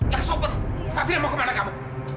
laksopan satria mau kemana kamu